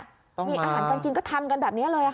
มีอาหารการกินก็ทำกันแบบนี้เลยค่ะ